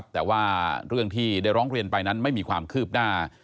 แต่ว่าเรื่องที่ได้ร้องเรียนไปนั้นไม่มีความคืบหน้า